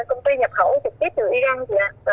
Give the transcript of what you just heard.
công ty nhập khẩu trực tiếp từ iran chị ạ